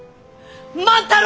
万太郎！